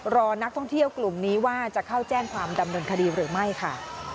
รอนักท่องเที่ยวกลุ่มนี้ว่าจะเข้าแจ้งความดำเนินคดีหรือไม่ค่ะ